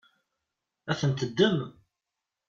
Ad tent-teddem?